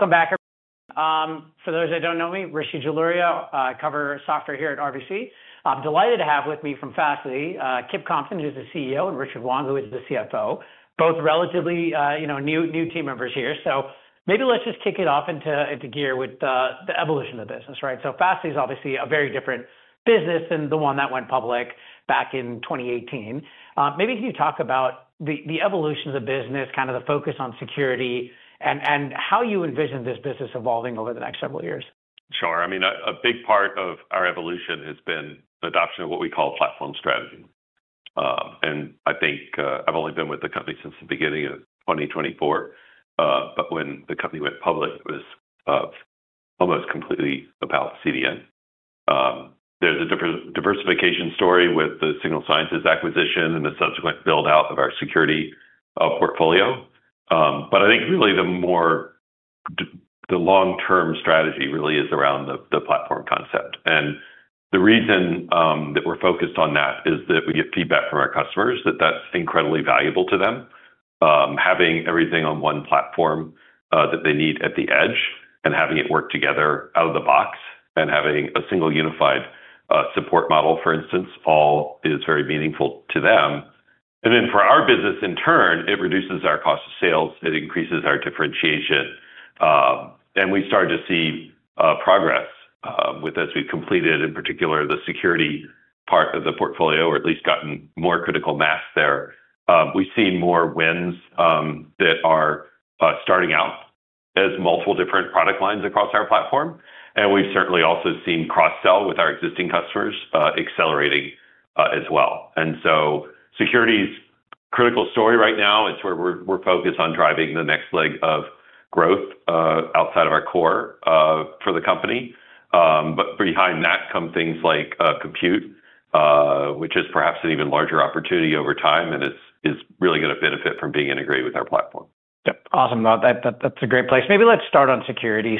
Welcome back. For those that don't know me, Rishi Jaluria, I cover software here at RBC. I'm delighted to have with me from Fastly Kip Compton, who's the CEO, and Richard Wong, who is the CFO. Both relatively new team members here. Maybe let's just kick it off into gear with the evolution of the business. Fastly is obviously a very different business than the one that went public back in 2018. Maybe can you talk about the evolution of the business, kind of the focus on security, and how you envision this business evolving over the next several years? Sure. I mean, a big part of our evolution has been the adoption of what we call platform strategy. I think I've only been with the company since the beginning of 2024. When the company went public, it was almost completely about CDN. There's a diversification story with the Signal Sciences acquisition and the subsequent build-out of our security portfolio. I think really the long-term strategy really is around the platform concept. The reason that we're focused on that is that we get feedback from our customers that that's incredibly valuable to them. Having everything on one platform that they need at the edge and having it work together out of the box and having a single unified support model, for instance, all is very meaningful to them. For our business, in turn, it reduces our cost of sales. It increases our differentiation. We started to see progress with, as we've completed, in particular, the security part of the portfolio, or at least gotten more critical mass there. We've seen more wins that are starting out as multiple different product lines across our platform. We've certainly also seen cross-sell with our existing customers accelerating as well. Security's critical story right now. It's where we're focused on driving the next leg of growth outside of our core for the company. Behind that come things like compute, which is perhaps an even larger opportunity over time and is really going to benefit from being integrated with our platform. Yeah. Awesome. That's a great place. Maybe let's start on security.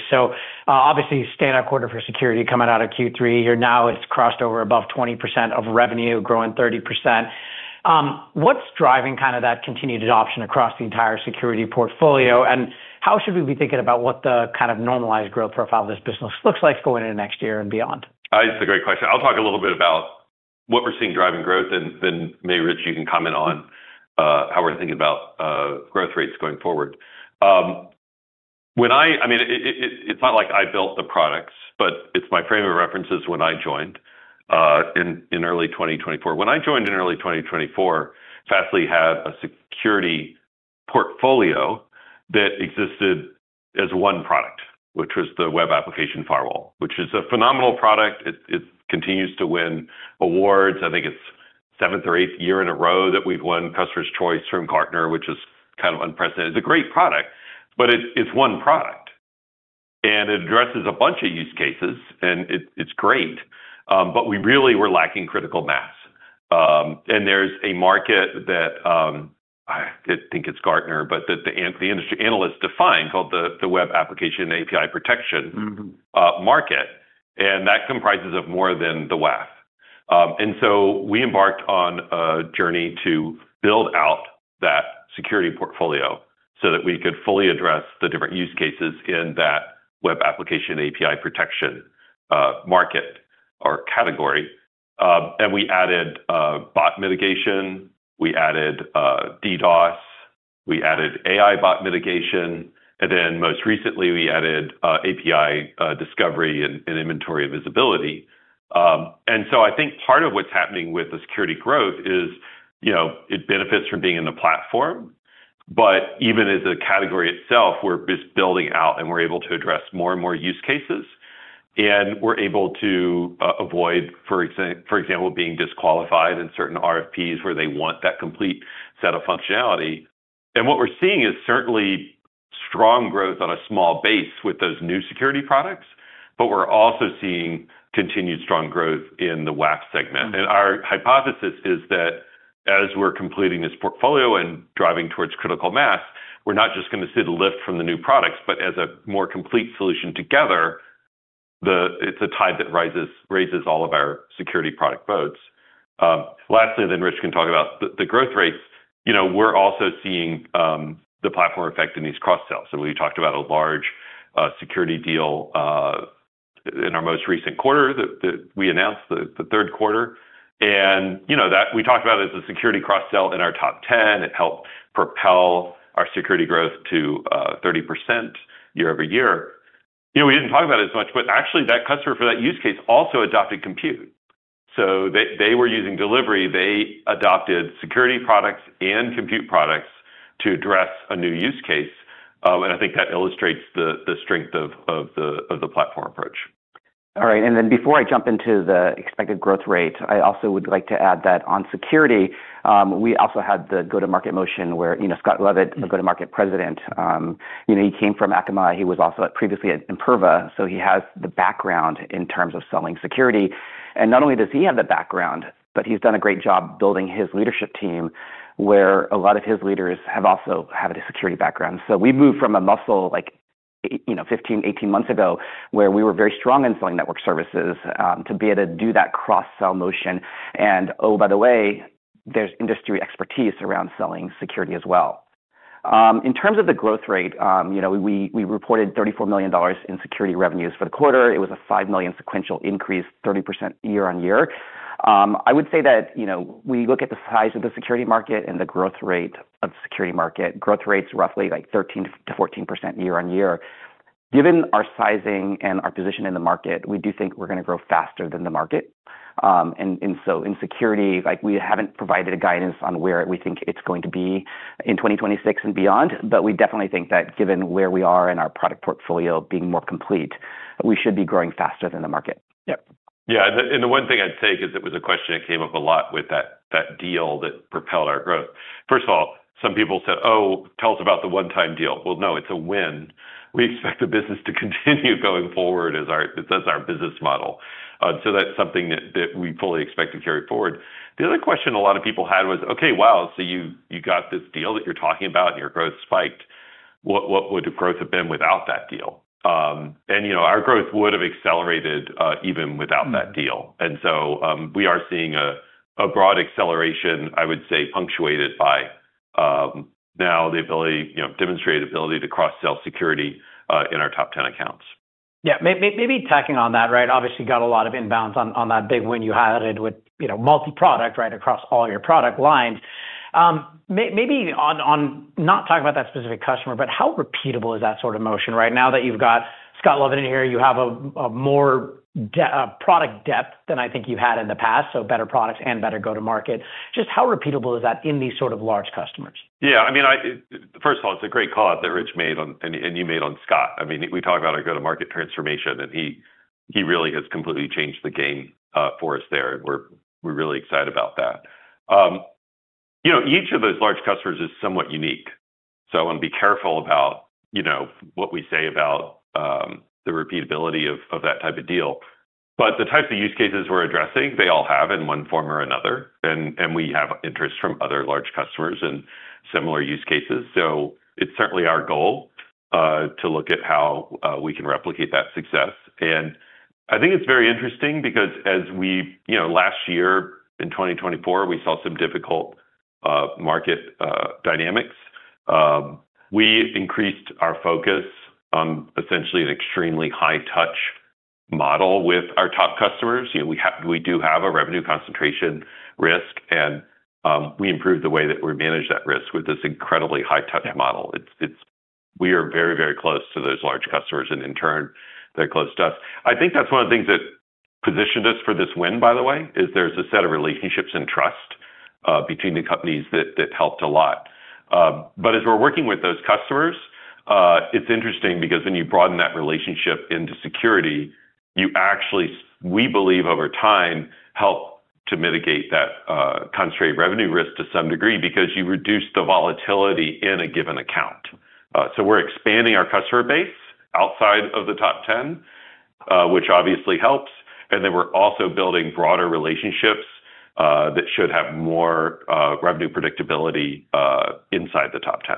Obviously, stand-out quarter for security coming out of Q3. Now it's crossed over above 20% of revenue, growing 30%. What's driving kind of that continued adoption across the entire security portfolio? How should we be thinking about what the kind of normalized growth profile of this business looks like going into next year and beyond? It's a great question. I'll talk a little bit about what we're seeing driving growth, and then maybe Rich, you can comment on how we're thinking about growth rates going forward. I mean, it's not like I built the products, but my frame of reference is when I joined in early 2024. When I joined in early 2024, Fastly had a security portfolio that existed as one product, which was the web application firewall, which is a phenomenal product. It continues to win awards. I think it's seventh or eighth year in a row that we've won customer's choice from Gartner, which is kind of unprecedented. It's a great product, but it's one product. It addresses a bunch of use cases, and it's great. We really were lacking critical mass. There's a market that I think it's Gartner, but that the industry analysts define called the web application API protection market. That comprises of more than the WAF. We embarked on a journey to build out that security portfolio so that we could fully address the different use cases in that web application API protection market or category. We added bot mitigation. We added DDoS. We added AI bot mitigation. Most recently, we added API discovery and inventory visibility. I think part of what's happening with the security growth is it benefits from being in the platform. Even as a category itself, we're just building out and we're able to address more and more use cases. We're able to avoid, for example, being disqualified in certain RFPs where they want that complete set of functionality. What we're seeing is certainly strong growth on a small base with those new security products. We're also seeing continued strong growth in the WAF segment. Our hypothesis is that as we're completing this portfolio and driving towards critical mass, we're not just going to see the lift from the new products, but as a more complete solution together, it's a tide that raises all of our security product boats. Lastly, Rich can talk about the growth rates. We're also seeing the platform effect in these cross-sells. We talked about a large security deal in our most recent quarter that we announced, the third quarter. We talked about it as a security cross-sell in our top 10. It helped propel our security growth to 30% year-over-year. We did not talk about it as much, but actually that customer for that use case also adopted compute. They were using delivery. They adopted security products and compute products to address a new use case. I think that illustrates the strength of the platform approach. All right. Before I jump into the expected growth rate, I also would like to add that on security, we also had the go-to-market motion where Scott Levitt, the go-to-market president, he came from Akamai. He was also previously at Imperva, so he has the background in terms of selling security. Not only does he have that background, but he's done a great job building his leadership team where a lot of his leaders have also had a security background. We moved from a muscle like 15-18 months ago where we were very strong in selling network services to be able to do that cross-sell motion. By the way, there's industry expertise around selling security as well. In terms of the growth rate, we reported $34 million in security revenues for the quarter. It was a $5 million sequential increase, 30% year-on-year. I would say that we look at the size of the security market and the growth rate of the security market, growth rates roughly like 13-14% year-on-year. Given our sizing and our position in the market, we do think we're going to grow faster than the market. In security, we haven't provided guidance on where we think it's going to be in 2026 and beyond, but we definitely think that given where we are in our product portfolio being more complete, we should be growing faster than the market. Yeah. Yeah. The one thing I'd take is it was a question that came up a lot with that deal that propelled our growth. First of all, some people said, "Oh, tell us about the one-time deal." No, it's a win. We expect the business to continue going forward as our business model. That's something that we fully expect to carry forward. The other question a lot of people had was, "Okay, wow, you got this deal that you're talking about and your growth spiked. What would the growth have been without that deal?" Our growth would have accelerated even without that deal. We are seeing a broad acceleration, I would say, punctuated by now the ability, demonstrated ability to cross-sell security in our top 10 accounts. Yeah. Maybe tacking on that, right? Obviously, you got a lot of inbounds on that big win you had with multi-product across all your product lines. Maybe on not talking about that specific customer, but how repeatable is that sort of motion right now that you've got Scott Levitt in here? You have more product depth than I think you had in the past, so better products and better go-to-market. Just how repeatable is that in these sort of large customers? Yeah. I mean, first of all, it's a great call out that Rich made and you made on Scott. I mean, we talked about our go-to-market transformation, and he really has completely changed the game for us there. We're really excited about that. Each of those large customers is somewhat unique. I want to be careful about what we say about the repeatability of that type of deal. The types of use cases we're addressing, they all have in one form or another. We have interest from other large customers and similar use cases. It is certainly our goal to look at how we can replicate that success. I think it's very interesting because as we last year in 2024, we saw some difficult market dynamics. We increased our focus on essentially an extremely high-touch model with our top customers. We do have a revenue concentration risk, and we improved the way that we manage that risk with this incredibly high-touch model. We are very, very close to those large customers, and in turn, they're close to us. I think that's one of the things that positioned us for this win, by the way, is there's a set of relationships and trust between the companies that helped a lot. As we're working with those customers, it's interesting because when you broaden that relationship into security, you actually, we believe over time, help to mitigate that concentrated revenue risk to some degree because you reduce the volatility in a given account. We are expanding our customer base outside of the top 10, which obviously helps. We are also building broader relationships that should have more revenue predictability inside the top 10.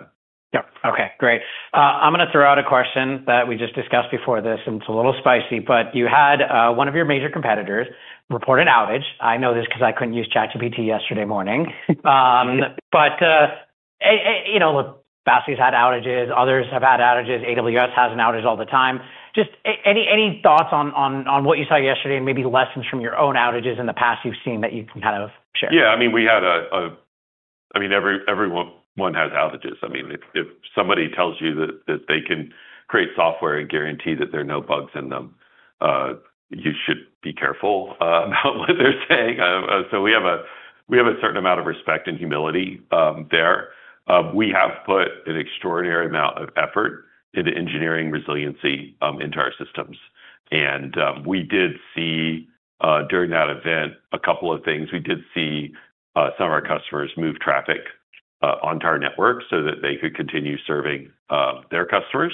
Yeah. Okay. Great. I'm going to throw out a question that we just discussed before this, and it's a little spicy, but you had one of your major competitors report an outage. I know this because I couldn't use ChatGPT yesterday morning. Fastly's had outages. Others have had outages. AWS has an outage all the time. Just any thoughts on what you saw yesterday and maybe lessons from your own outages in the past you've seen that you can kind of share? Yeah. I mean, we had a, I mean, everyone has outages. I mean, if somebody tells you that they can create software and guarantee that there are no bugs in them, you should be careful about what they're saying. We have a certain amount of respect and humility there. We have put an extraordinary amount of effort into engineering resiliency into our systems. We did see during that event a couple of things. We did see some of our customers move traffic onto our network so that they could continue serving their customers.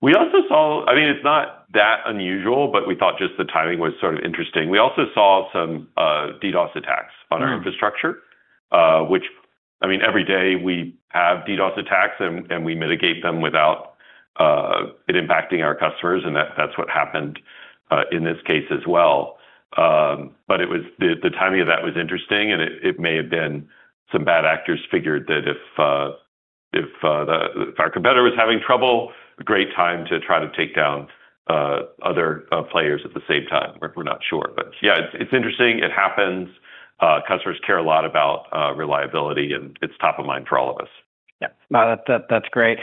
We also saw, I mean, it's not that unusual, but we thought just the timing was sort of interesting. We also saw some DDoS attacks on our infrastructure, which, I mean, every day we have DDoS attacks and we mitigate them without it impacting our customers. That's what happened in this case as well. The timing of that was interesting. It may have been some bad actors figured that if our competitor was having trouble, a great time to try to take down other players at the same time. We're not sure. Yeah, it's interesting. It happens. Customers care a lot about reliability, and it's top of mind for all of us. Yeah. That's great.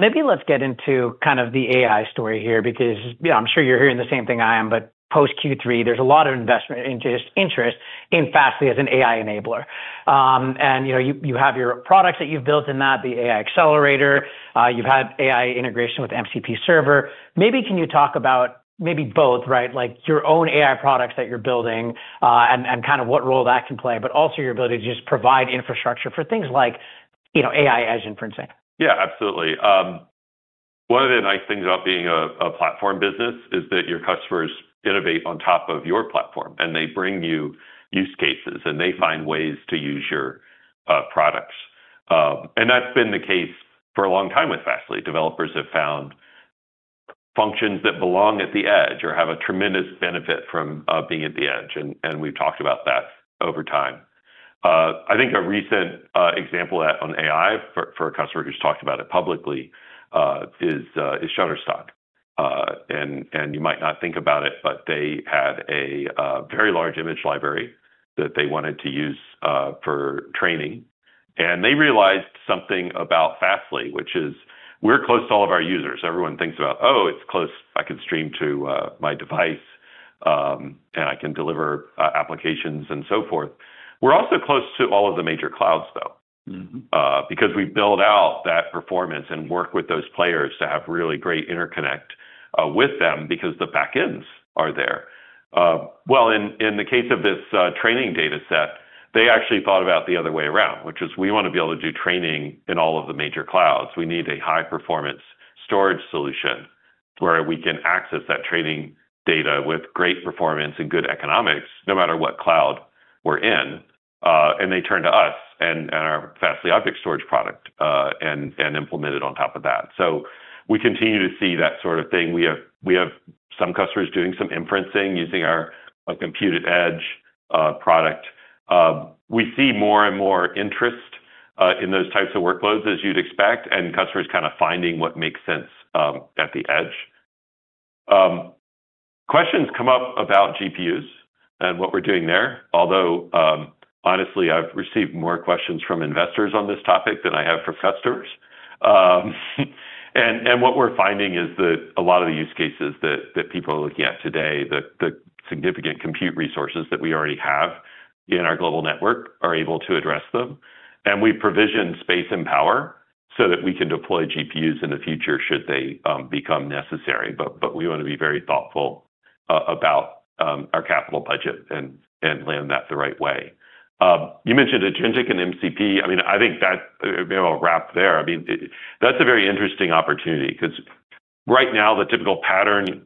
Maybe let's get into kind of the AI story here because I'm sure you're hearing the same thing I am, but post Q3, there's a lot of investment interest in Fastly as an AI enabler. And you have your products that you've built in that, the AI accelerator. You've had AI integration with MCP server. Maybe can you talk about maybe both, right? Like your own AI products that you're building and kind of what role that can play, but also your ability to just provide infrastructure for things like AI edge inferencing. Yeah, absolutely. One of the nice things about being a platform business is that your customers innovate on top of your platform, and they bring you use cases, and they find ways to use your products. That has been the case for a long time with Fastly. Developers have found functions that belong at the edge or have a tremendous benefit from being at the edge. We have talked about that over time. I think a recent example of that on AI for a customer who has talked about it publicly is Shutterstock. You might not think about it, but they had a very large image library that they wanted to use for training. They realized something about Fastly, which is we are close to all of our users. Everyone thinks about, "Oh, it is close. I can stream to my device, and I can deliver applications and so forth. We are also close to all of the major clouds, though, because we build out that performance and work with those players to have really great interconnect with them because the backends are there. In the case of this training data set, they actually thought about the other way around, which is we want to be able to do training in all of the major clouds. We need a high-performance storage solution where we can access that training data with great performance and good economics no matter what cloud we are in. They turned to us and our Fastly Object Storage product and implemented on top of that. We continue to see that sort of thing. We have some customers doing some inferencing using our Compute@Edge product. We see more and more interest in those types of workloads, as you'd expect, and customers kind of finding what makes sense at the edge. Questions come up about GPUs and what we're doing there, although honestly, I've received more questions from investors on this topic than I have from customers. What we're finding is that a lot of the use cases that people are looking at today, the significant compute resources that we already have in our global network, are able to address them. We provision space and power so that we can deploy GPUs in the future should they become necessary. We want to be very thoughtful about our capital budget and land that the right way. You mentioned AI integration with MCP. I mean, I think that I'll wrap there. I mean, that's a very interesting opportunity because right now, the typical pattern,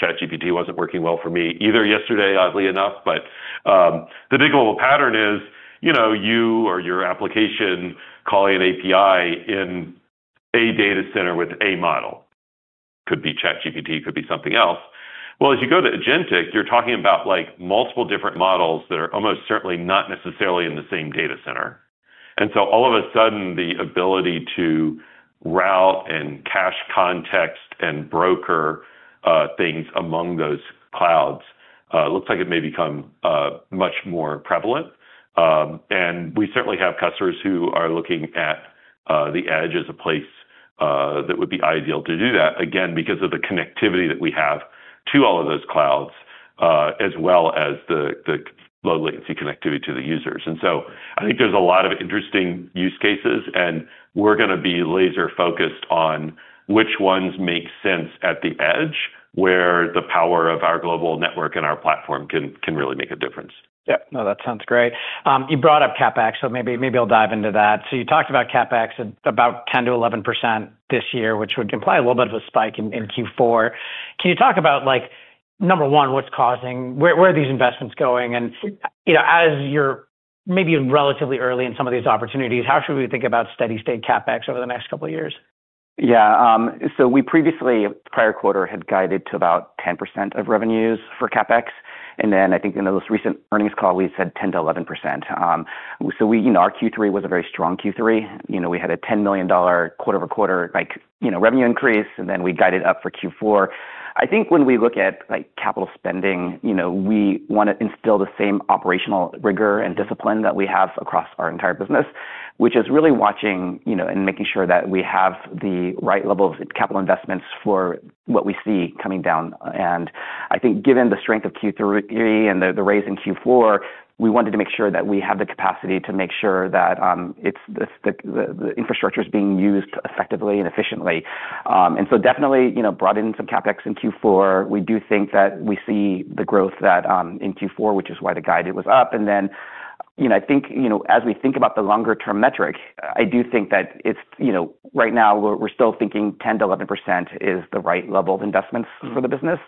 ChatGPT wasn't working well for me either yesterday, oddly enough. The big global pattern is you or your application calling an API in a data center with a model. Could be ChatGPT, could be something else. As you go to Agentic, you're talking about multiple different models that are almost certainly not necessarily in the same data center. All of a sudden, the ability to route and cache context and broker things among those clouds looks like it may become much more prevalent. We certainly have customers who are looking at the edge as a place that would be ideal to do that, again, because of the connectivity that we have to all of those clouds, as well as the low-latency connectivity to the users. I think there's a lot of interesting use cases, and we're going to be laser-focused on which ones make sense at the edge where the power of our global network and our platform can really make a difference. Yeah. No, that sounds great. You brought up CapEx, so maybe I'll dive into that. You talked about CapEx at about 10-11% this year, which would imply a little bit of a spike in Q4. Can you talk about, number one, what's causing, where are these investments going? As you're maybe relatively early in some of these opportunities, how should we think about steady-state CapEx over the next couple of years? Yeah. We previously, prior quarter, had guided to about 10% of revenues for CapEx. I think in the most recent earnings call, we said 10-11%. Our Q3 was a very strong Q3. We had a $10 million quarter-over-quarter revenue increase, and we guided up for Q4. I think when we look at capital spending, we want to instill the same operational rigor and discipline that we have across our entire business, which is really watching and making sure that we have the right level of capital investments for what we see coming down. I think given the strength of Q3 and the raise in Q4, we wanted to make sure that we have the capacity to make sure that the infrastructure is being used effectively and efficiently. We definitely brought in some CapEx in Q4. We do think that we see the growth in Q4, which is why the guide was up. I think as we think about the longer-term metric, I do think that right now we're still thinking 10%-11% is the right level of investments for the business.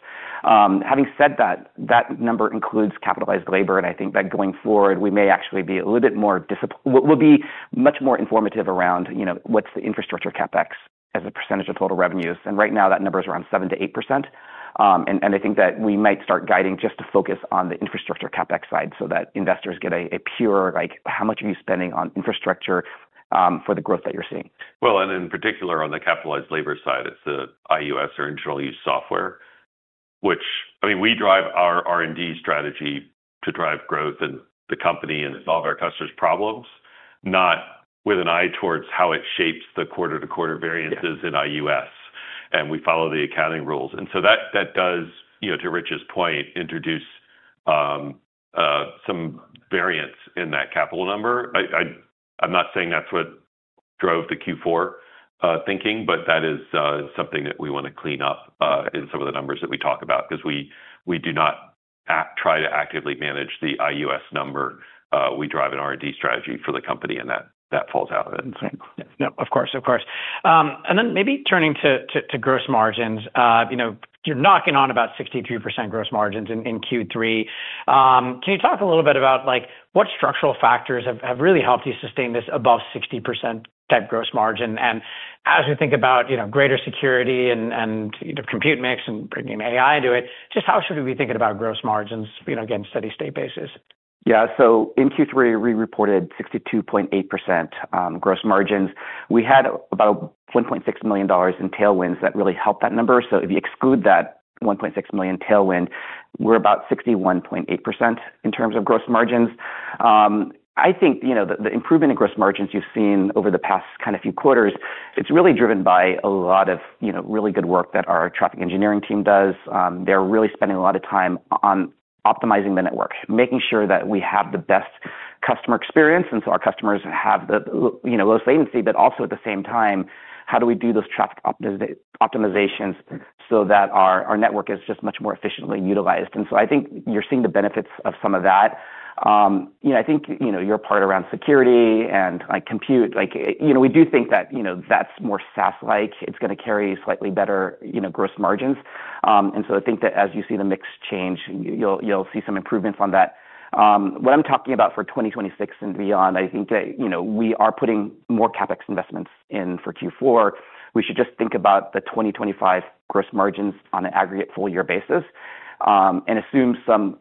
Having said that, that number includes capitalized labor. I think that going forward, we may actually be a little bit more disciplined, will be much more informative around what's the infrastructure CapEx as a percentage of total revenues. Right now, that number is around 7%-8%. I think that we might start guiding just to focus on the infrastructure CapEx side so that investors get a pure, how much are you spending on infrastructure for the growth that you're seeing? In particular on the capitalized labor side, it is the IUS or internal use software, which, I mean, we drive our R&D strategy to drive growth in the company and solve our customers' problems, not with an eye towards how it shapes the quarter-to-quarter variances in IUS. We follow the accounting rules. That does, to Rich's point, introduce some variance in that capital number. I am not saying that is what drove the Q4 thinking, but that is something that we want to clean up in some of the numbers that we talk about because we do not try to actively manage the IUS number. We drive an R&D strategy for the company, and that falls out of it. Of course, of course. Maybe turning to gross margins, you're knocking on about 63% gross margins in Q3. Can you talk a little bit about what structural factors have really helped you sustain this above 60% type gross margin? As we think about greater security and compute mix and bringing AI into it, just how should we be thinking about gross margins against steady-state basis? Yeah. In Q3, we reported 62.8% gross margins. We had about $1.6 million in tailwinds that really helped that number. If you exclude that $1.6 million tailwind, we are about 61.8% in terms of gross margins. I think the improvement in gross margins you have seen over the past kind of few quarters is really driven by a lot of really good work that our traffic engineering team does. They are really spending a lot of time on optimizing the network, making sure that we have the best customer experience. Our customers have the lowest latency, but also at the same time, how do we do those traffic optimizations so that our network is just much more efficiently utilized? I think you are seeing the benefits of some of that. I think your part around security and compute, we do think that is more SaaS-like. It's going to carry slightly better gross margins. I think that as you see the mix change, you'll see some improvements on that. What I'm talking about for 2026 and beyond, I think that we are putting more CapEx investments in for Q4. We should just think about the 2025 gross margins on an aggregate full-year basis and assume some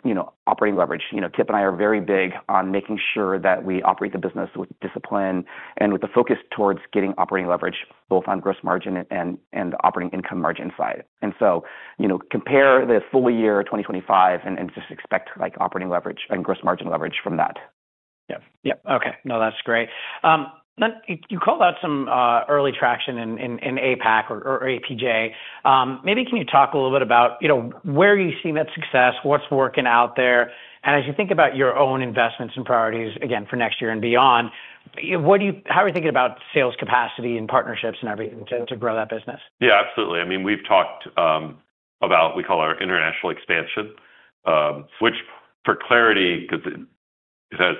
operating leverage. Kip and I are very big on making sure that we operate the business with discipline and with the focus towards getting operating leverage both on gross margin and the operating income margin side. Compare the full year 2025 and just expect operating leverage and gross margin leverage from that. Yep. Yep. Okay. No, that's great. You called out some early traction in APAC or APJ. Maybe can you talk a little bit about where you've seen that success, what's working out there? As you think about your own investments and priorities, again, for next year and beyond, how are you thinking about sales capacity and partnerships and everything to grow that business? Yeah, absolutely. I mean, we've talked about what we call our international expansion, which for clarity, because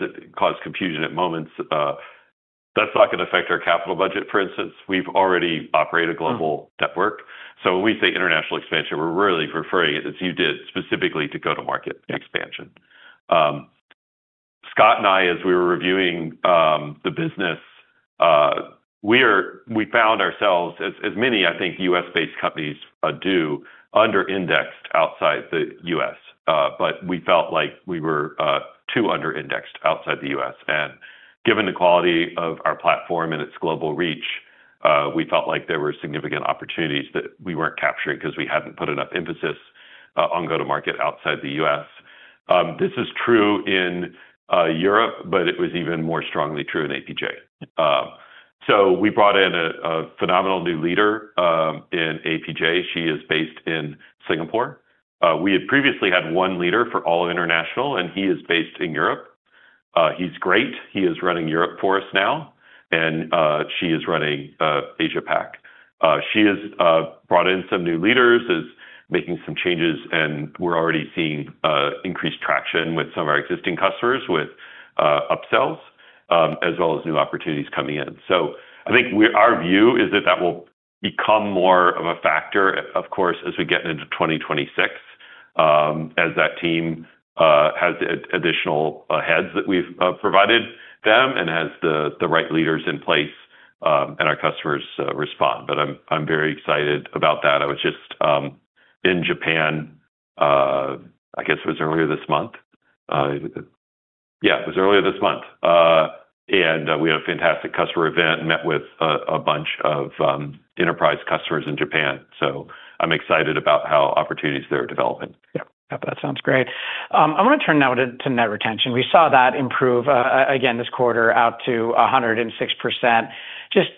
it caused confusion at moments, that's not going to affect our capital budget, for instance. We've already operated a global network. When we say international expansion, we're really referring to, as you did, specifically to go to market expansion. Scott and I, as we were reviewing the business, we found ourselves, as many, I think, U.S.-based companies do, under-indexed outside the U.S. We felt like we were too under-indexed outside the U.S. Given the quality of our platform and its global reach, we felt like there were significant opportunities that we weren't capturing because we hadn't put enough emphasis on go to market outside the U.S. This is true in Europe, but it was even more strongly true in APJ. We brought in a phenomenal new leader in APJ. She is based in Singapore. We had previously had one leader for all international, and he is based in Europe. He's great. He is running Europe for us now, and she is running Asia-Pac. She has brought in some new leaders, is making some changes, and we're already seeing increased traction with some of our existing customers with upsells, as well as new opportunities coming in. I think our view is that that will become more of a factor, of course, as we get into 2026, as that team has additional heads that we've provided them and has the right leaders in place and our customers respond. I'm very excited about that. I was just in Japan, I guess it was earlier this month. Yeah, it was earlier this month. We had a fantastic customer event and met with a bunch of enterprise customers in Japan. I'm excited about how opportunities there are developing. Yep. Yep. That sounds great. I want to turn now to net retention. We saw that improve again this quarter out to 106%. Just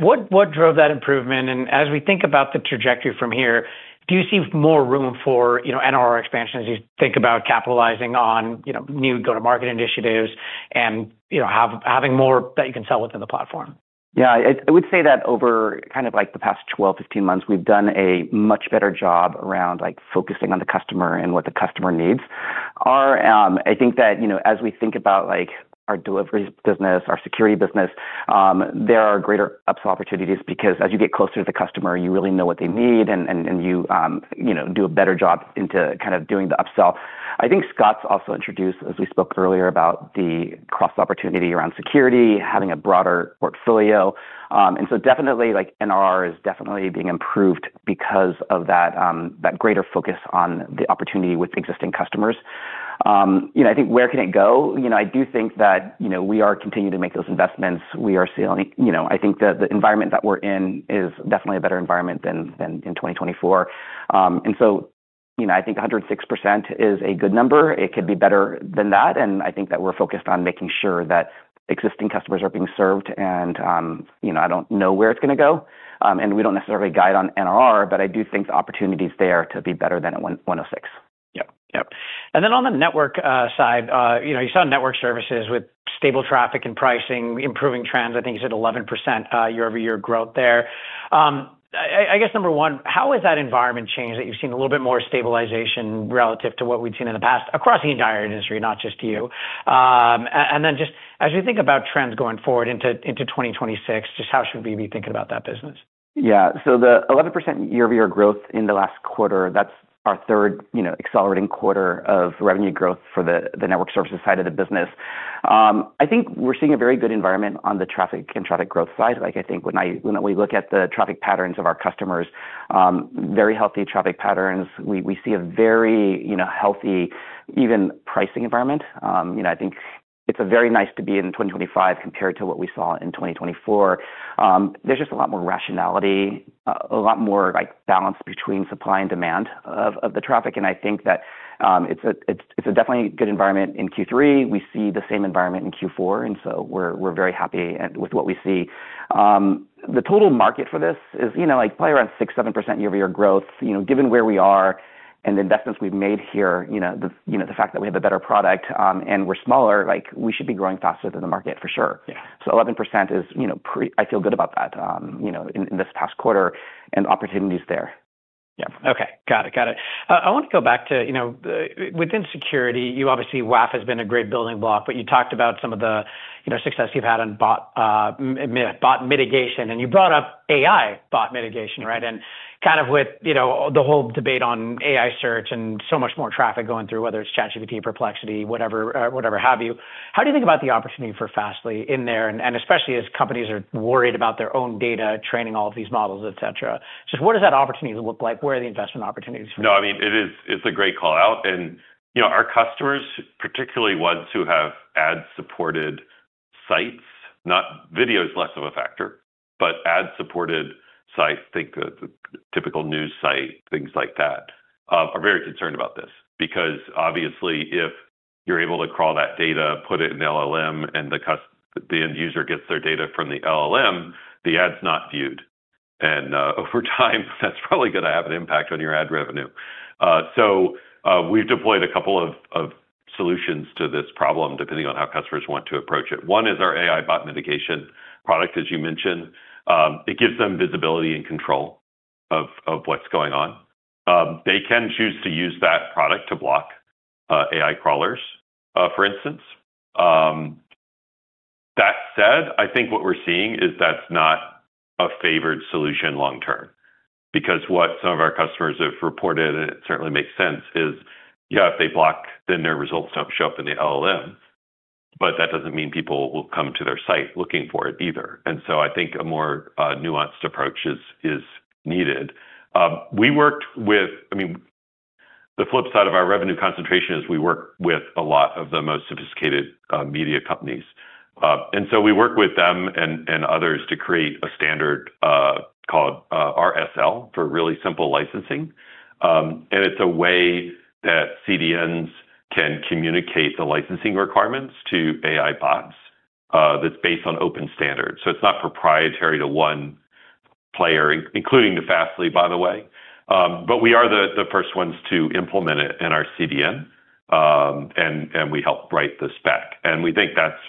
what drove that improvement? As we think about the trajectory from here, do you see more room for NRR expansion as you think about capitalizing on new go-to-market initiatives and having more that you can sell within the platform? Yeah. I would say that over kind of the past 12-15 months, we've done a much better job around focusing on the customer and what the customer needs. I think that as we think about our delivery business, our security business, there are greater upsell opportunities because as you get closer to the customer, you really know what they need and you do a better job into kind of doing the upsell. I think Scott's also introduced, as we spoke earlier, about the cross opportunity around security, having a broader portfolio. Definitely NRR is definitely being improved because of that greater focus on the opportunity with existing customers. I think where can it go? I do think that we are continuing to make those investments. I think that the environment that we're in is definitely a better environment than in 2024. I think 106% is a good number. It could be better than that. I think that we're focused on making sure that existing customers are being served. I don't know where it's going to go. We don't necessarily guide on NRR, but I do think the opportunity is there to be better than 106. Yep. On the network side, you saw network services with stable traffic and pricing, improving trends. I think you said 11% year-over-year growth there. I guess number one, how has that environment changed that you've seen a little bit more stabilization relative to what we've seen in the past across the entire industry, not just you? As we think about trends going forward into 2026, just how should we be thinking about that business? Yeah. The 11% year-over-year growth in the last quarter, that's our third accelerating quarter of revenue growth for the network services side of the business. I think we're seeing a very good environment on the traffic and traffic growth side. I think when we look at the traffic patterns of our customers, very healthy traffic patterns. We see a very healthy, even pricing environment. I think it's very nice to be in 2025 compared to what we saw in 2024. There's just a lot more rationality, a lot more balance between supply and demand of the traffic. I think that it's a definitely good environment in Q3. We see the same environment in Q4. We are very happy with what we see. The total market for this is probably around 6%-7% year-over-year growth. Given where we are and the investments we've made here, the fact that we have a better product and we're smaller, we should be growing faster than the market for sure. 11% is, I feel good about that in this past quarter and opportunities there. Yep. Okay. Got it. Got it. I want to go back to within security, you obviously WAF has been a great building block, but you talked about some of the success you've had on bot mitigation. You brought up AI bot mitigation, right? Kind of with the whole debate on AI search and so much more traffic going through, whether it's ChatGPT, Perplexity, whatever have you. How do you think about the opportunity for Fastly in there? Especially as companies are worried about their own data, training all of these models, et cetera. Just what does that opportunity look like? Where are the investment opportunities for? No, I mean, it's a great call out. Our customers, particularly ones who have ad-supported sites, not videos less of a factor, but ad-supported sites, think typical news site, things like that, are very concerned about this because obviously if you're able to crawl that data, put it in the LLM, and the end user gets their data from the LLM, the ad's not viewed. Over time, that's probably going to have an impact on your ad revenue. We've deployed a couple of solutions to this problem depending on how customers want to approach it. One is our AI Bot Mitigation product, as you mentioned. It gives them visibility and control of what's going on. They can choose to use that product to block AI crawlers, for instance. That said, I think what we're seeing is that's not a favored solution long-term because what some of our customers have reported, and it certainly makes sense, is, yeah, if they block, then their results don't show up in the LLM, but that doesn't mean people will come to their site looking for it either. I think a more nuanced approach is needed. We worked with, I mean, the flip side of our revenue concentration is we work with a lot of the most sophisticated media companies. We work with them and others to create a standard called RSL for really simple licensing. It's a way that CDNs can communicate the licensing requirements to AI bots that's based on open standards. It's not proprietary to one player, including Fastly, by the way. We are the first ones to implement it in our CDN, and we help write the spec. We think that's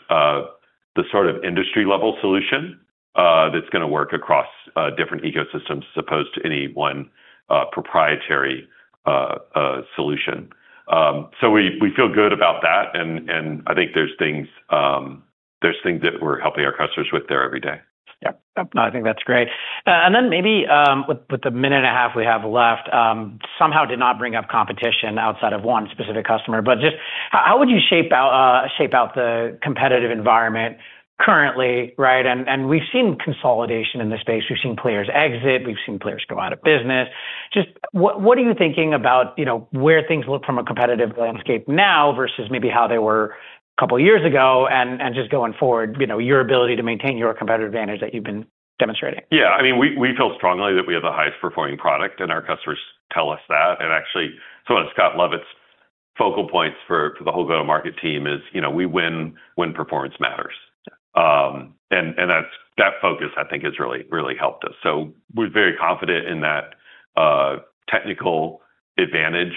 the sort of industry-level solution that's going to work across different ecosystems as opposed to any one proprietary solution. We feel good about that. I think there's things that we're helping our customers with there every day. Yep. Yep. No, I think that's great. Maybe with the minute and a half we have left, somehow did not bring up competition outside of one specific customer, but just how would you shape out the competitive environment currently, right? We've seen consolidation in this space. We've seen players exit. We've seen players go out of business. Just what are you thinking about where things look from a competitive landscape now versus maybe how they were a couple of years ago? Just going forward, your ability to maintain your competitive advantage that you've been demonstrating. Yeah. I mean, we feel strongly that we have the highest performing product, and our customers tell us that. Actually, some of Scott Levitt's focal points for the whole go-to-market team is we win when performance matters. That focus, I think, has really, really helped us. We are very confident in that technical advantage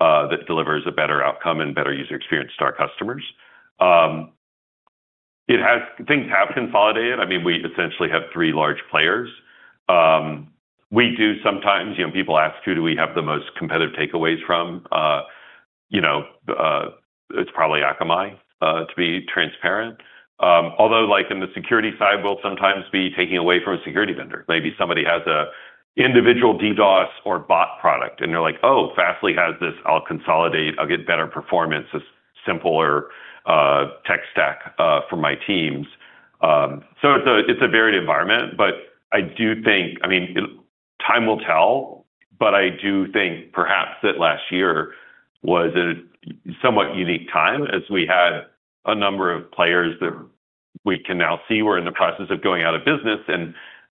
that delivers a better outcome and better user experience to our customers. Things have consolidated. I mean, we essentially have three large players. We do sometimes, people ask, who do we have the most competitive takeaways from? It's probably Akamai, to be transparent. Although in the security side, we'll sometimes be taking away from a security vendor. Maybe somebody has an individual DDoS or bot product, and they're like, "Oh, Fastly has this. I'll consolidate. I'll get better performance, a simpler tech stack for my teams." It is a varied environment, but I do think, I mean, time will tell, but I do think perhaps that last year was a somewhat unique time as we had a number of players that we can now see were in the process of going out of business.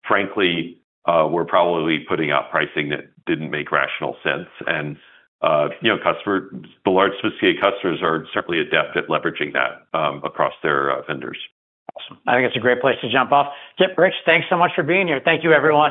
Frankly, they were probably putting out pricing that did not make rational sense. The large sophisticated customers are certainly adept at leveraging that across their vendors. Awesome. I think it's a great place to jump off. Kip, Rich, thanks so much for being here. Thank you, everyone.